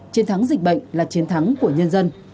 chiến thắng dịch bệnh là chiến thắng của nhân dân